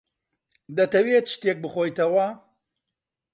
دەتەوێت شتێک بخۆیتەوە؟